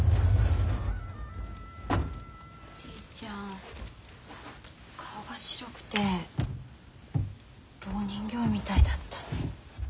おじいちゃん顔が白くてろう人形みたいだった。